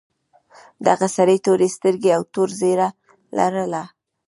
دغه سړي تورې سترګې او تور ږیره لرله.